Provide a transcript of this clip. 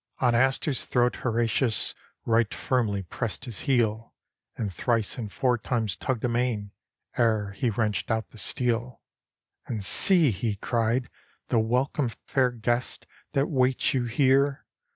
On Astur's throat Horatius Right firmly pressed his heel, And thrice and four times tugged amain, Ere he wrenched out the steel. 'And see," he cried, "the welcome, Fair guests, that waits you here!